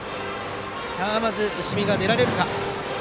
まず石見、出られるか。